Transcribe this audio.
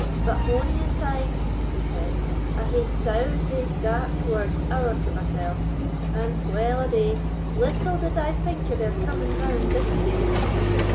But mony a time," he said, "I hae soughed thae dark words ower to myself, and, well a day! little did I think of their coming round this day."